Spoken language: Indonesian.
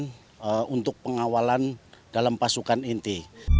ini untuk pengawalan dalam pasukan inti